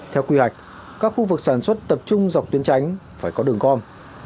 theo quy hoạch các khu vực sản xuất tập trung dọc tuyến tránh phải có đường gom